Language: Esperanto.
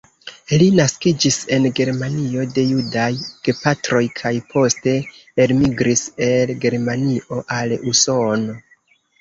Li naskiĝis en Germanio de judaj gepatroj kaj poste elmigris el Germanio al Usono.